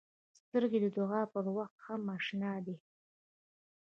سترګې د دعا پر وخت هم اشنا دي